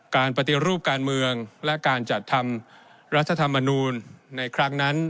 การปฏิรูปการเมืองและการจัดทำรัฐธรรมนูลในครั้งนั้น